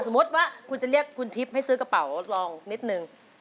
สมมุติว่าคุณจะเรียกคุณทิพย์ให้ซื้อกระเป๋าลองนิดนึง